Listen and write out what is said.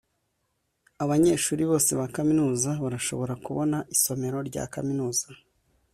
abanyeshuri bose ba kaminuza barashobora kubona isomero rya kaminuza